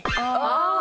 ああ！